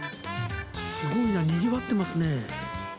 すごいな、にぎわってますね。